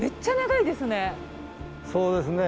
そうですね。